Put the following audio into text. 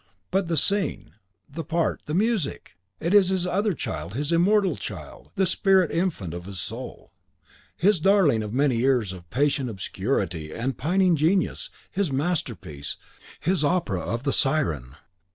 But the scene, the part, the music! It is his other child, his immortal child; the spirit infant of his soul; his darling of many years of patient obscurity and pining genius; his masterpiece; his opera of the Siren!